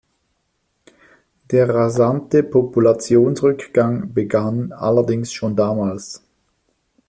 Der rasante Populationsrückgang begann allerdings schon damals.